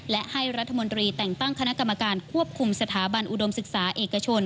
และให้รัฐมนตรีแต่งตั้งคณะกรรมการควบคุมสถาบันอุดมศึกษาเอกชน